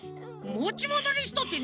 もちものリストって